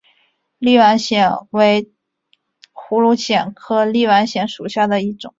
立碗藓为葫芦藓科立碗藓属下的一个种。